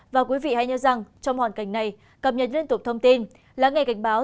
và quý vị hãy nhớ rằng trong hoàn cảnh này cập nhật liên tục thông tin lắng nghe cảnh báo